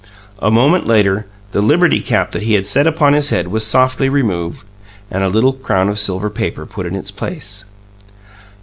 A moment later, the liberty cap that he had set upon his head was softly removed, and a little crown of silver paper put in its place.